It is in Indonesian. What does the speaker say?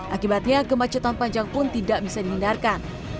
akibatnya kemacetan panjang pun tidak bisa dihindarkan